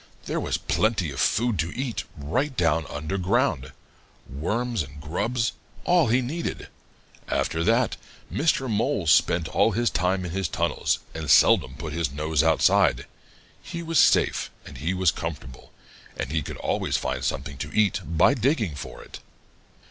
There was plenty of food to eat right down under ground worms and grubs all he needed. After that, Mr. Mole spent all his time in his tunnels and seldom put his nose outside. He was safe, and he was comfortable, and he could always find something to eat by digging for it.